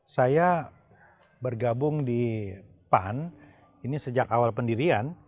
saya bergabung di pan ini sejak awal pendirian